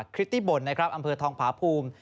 คิตตี้บ่นนะครับอำเภอทองผาภูมิ